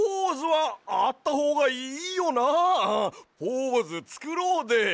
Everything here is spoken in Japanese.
ポーズつくろうで！